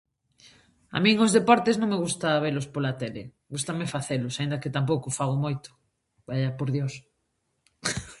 A min os deportes non me gusta velos pola tele, gústame facelos, aínda que tampoco fago moito, vaia por Dios.